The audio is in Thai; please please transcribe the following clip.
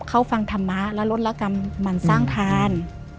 เข้าฟังธรรมะและลดละกรรมมันสร้างทาน